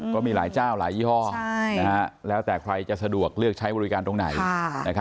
ก็มีหลายเจ้าหลายยี่ห้อแล้วแต่ใครจะสะดวกเลือกใช้บริการตรงไหน